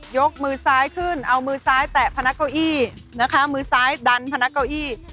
ยกมือซ้ายขึ้นเอามือซ้ายแตะพนักเก้าอี้นะคะมือซ้ายดันพนักเก้าอี้